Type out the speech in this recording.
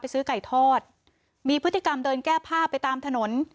ซื้อไก่ทอดมีพฤติกรรมเดินแก้ผ้าไปตามถนน